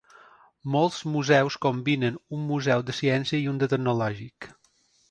Molts museus combinen un museu de ciència i un de tecnològic.